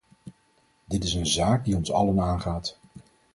Dit is een zaak die ons allen aangaat.